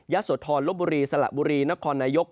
ยัสห่ฐรลต์บุรีสละบุรีนะคอนนายก